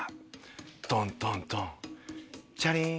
トントントンチャリン。